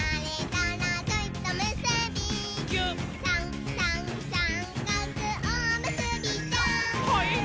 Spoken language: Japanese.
「さんさんさんかくおむすびちゃん」はいっ！